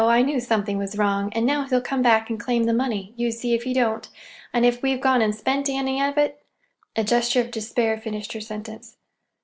I knew something was wrong. And now he'll come back and claim the money. You see if he don't! And if we've gone and spent any of it—" A gesture of despair finished her sentence.